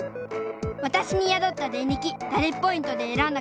わたしにやどったデンリキ・ダレッポイントでえらんだ